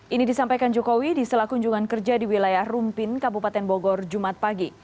ini disampaikan jokowi di selakunjungan kerja di wilayah rumpin kabupaten bogor jumat pagi